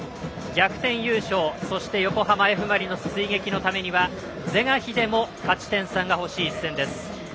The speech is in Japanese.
逆転優勝、そして横浜Ｆ・マリノス追撃のためには是が非でも勝ち点３が欲しい一戦です。